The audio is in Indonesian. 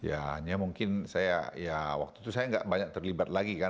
ya hanya mungkin saya ya waktu itu saya nggak banyak terlibat lagi kan